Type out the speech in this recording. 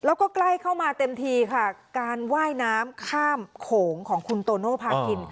แล้วก็ใกล้เข้ามาเต็มทีค่ะการว่ายน้ำข้ามโขงของคุณโตโนภาคิน